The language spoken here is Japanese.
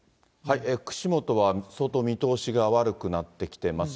串本は相当見通しが悪くなってきてます。